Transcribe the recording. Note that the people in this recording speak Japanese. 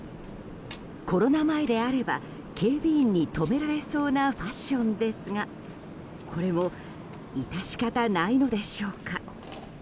コロナ前であれば警備員に止められそうなファッションですがこれも致し方ないのでしょうか。